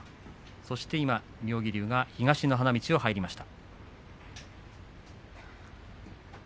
そして今、妙義龍が東の花道を入りました。